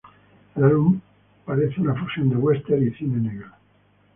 El álbum parece una fusión de western y cine negro.